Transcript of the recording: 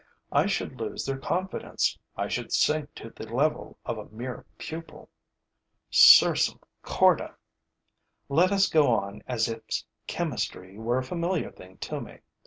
I should lose their confidence, I should sink to the level of a mere pupil. Sursum corda! Let us go on as if chemistry were a familiar thing to me.